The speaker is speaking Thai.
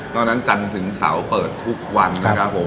นอกนั้นจันทร์ถึงเสาเปิดทุกวันนะครับผม